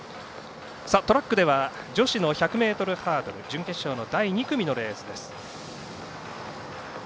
トラックでは女子の１００ｍハードル準決勝の第２組のレースです。